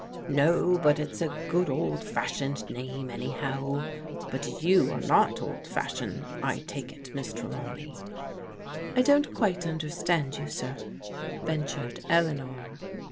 " No, but it's a good old fashioned name, anyhow. But you are not old fashioned, I take it. Miss Trelaw ney?" I don't quite understand you, sir," ventured Eleanor.